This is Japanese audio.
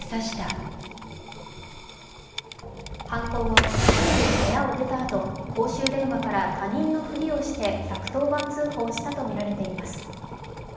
犯行後、１人で部屋を出たあと、公衆電話から他人のふりをして１１０番通報したとみられています。